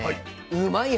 うまいッ！